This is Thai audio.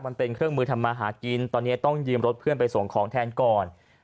มันเป็นเครื่องมือทำมาหากินตอนนี้ต้องยืมรถเพื่อนไปส่งของแทนก่อน